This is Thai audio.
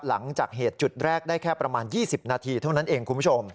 หลังจากเหตุจุดแรกได้แค่ประมาณ๒๐นาทีเท่านั้นเองคุณผู้ชม